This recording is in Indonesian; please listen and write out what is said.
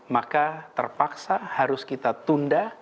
maka terpaksa harus kita tunda